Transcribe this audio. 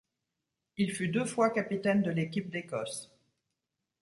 Il fut deux fois capitaine de l'équipe d'Écosse.